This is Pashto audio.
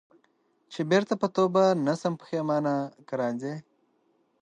چي بیرته پر توبه نه سم پښېمانه که راځې